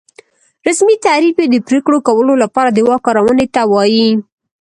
رسمي تعریف یې د پرېکړو کولو لپاره د واک کارونې ته وایي.